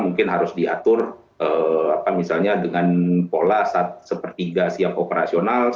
mungkin harus diatur misalnya dengan pola satu per tiga siap operasional